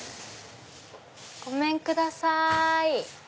ごめんください。